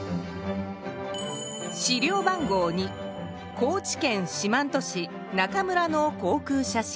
資料番号２高知県四万十市中村の航空写真。